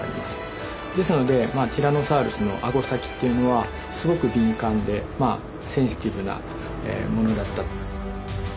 ですのでティラノサウルスのアゴ先というのはすごく敏感でセンシティブなものだった。